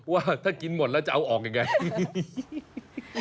ว่าถ้ากินหมดแล้วจะเอาออกยังไง